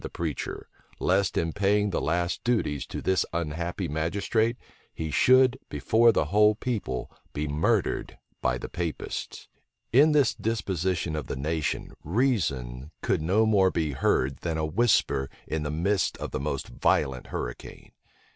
the preacher, lest in paying the last duties to this unhappy magistrate, he should, before the whole people, be murdered by the Papists,[] * North, p. 206. North p. 205. In this disposition of the nation, reason could no more be heard than a whisper in the midst of the most violent hurricane.